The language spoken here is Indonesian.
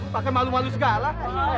pake malu malu segala